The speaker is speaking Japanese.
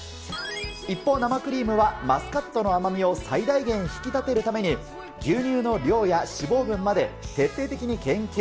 一方、生クリームはマスカットの甘みを最大限引き立てるために、牛乳の量や脂肪分まで徹底的に研究。